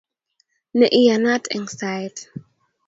Ne iyanat eng saet